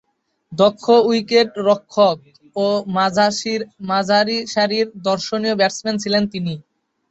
দক্ষ উইকেট-রক্ষক ও মাঝারিসারির দর্শনীয় ব্যাটসম্যান ছিলেন তিনি।